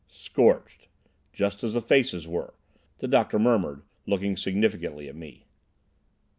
"Scorched—just as the faces were," the doctor murmured, looking significantly at me.